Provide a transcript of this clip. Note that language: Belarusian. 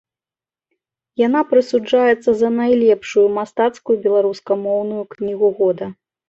Яна прысуджаецца за найлепшую мастацкую беларускамоўную кнігу года.